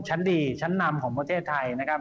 ชั้นดีชั้นนำของประเทศไทยนะครับ